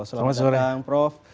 selamat siang prof